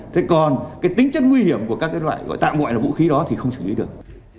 thế còn cái tính chất nguy hiểm của các cái loại gọi tạm ngoại là vũ khí đó thì không xử lý được